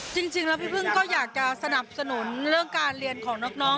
จริงแล้วพี่พึ่งก็อยากจะสนับสนุนเรื่องการเรียนของน้อง